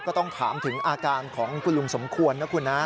ก็ต้องถามถึงอาการของคุณลุงสมควรนะคุณนะ